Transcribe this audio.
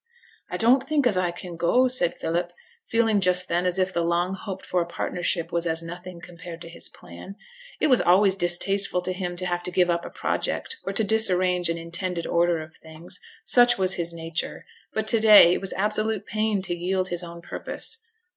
'I don't think as I can go,' said Philip, feeling just then as if the long hoped for partnership was as nothing compared to his plan. It was always distasteful to him to have to give up a project, or to disarrange an intended order of things, such was his nature; but to day it was absolute pain to yield his own purpose.